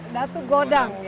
datuk godang ya